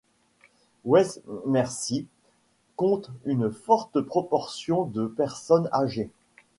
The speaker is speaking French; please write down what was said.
West Mersea compte une forte proportion de personnes âgées.